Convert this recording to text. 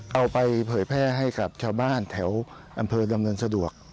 เอาไปเผยแพร่ให้กับชาวบ้านแถวอำเภอดำเนินสะดวก